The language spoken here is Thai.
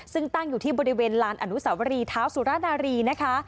ซึ่งตั้งอยู่ที่บริเวณลานอนุสาวรีเท้าสุรนารีนะคะ